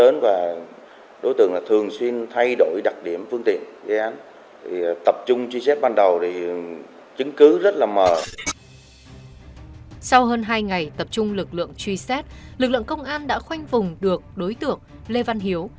sau hơn hai ngày tập trung lực lượng truy xét lực lượng công an đã khoanh vùng được đối tượng lê văn hiếu